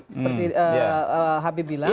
seperti habib bilang